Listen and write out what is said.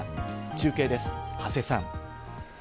中継です、長谷さん。